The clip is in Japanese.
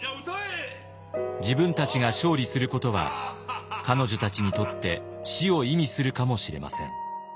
自分たちが勝利することは彼女たちにとって死を意味するかもしれません。